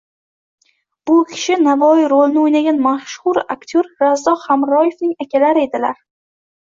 Bu kishi Navoiy rolini o`ynagan mashhur aktyor Razzoq Hamroevning akalari edilar